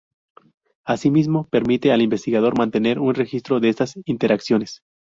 Asimismo, permite al investigador mantener un registro de estas interacciones.